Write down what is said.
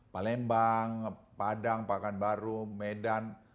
palembang padang pakanbaru medan